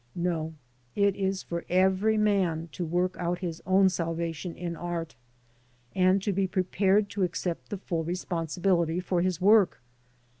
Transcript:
No, it is for every man to work out his own salvation in art, and to be prepared to accept the full responsibility for his work.